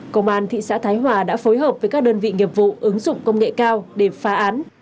công an thị xã thái hòa đã phối hợp với các đơn vị nghiệp vụ ứng dụng công nghệ cao để phá án